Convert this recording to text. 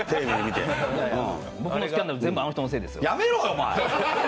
僕のスキャンダル全部あの人のせいです。